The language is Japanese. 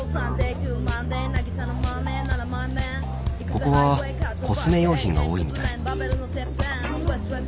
ここはコスメ用品が多いみたい。